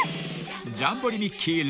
［『ジャンボリミッキー！